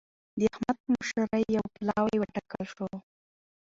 د احمد په مشرۍ يو پلاوی وټاکل شو.